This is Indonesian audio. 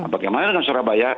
bagaimana dengan surabaya